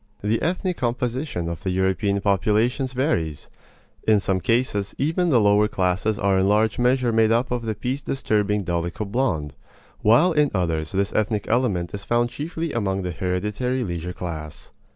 The ethnic composition of the European populations varies. In some cases even the lower classes are in large measure made up of the peace disturbing dolicho blond; while in others this ethnic element is found chiefly among the hereditary leisure class.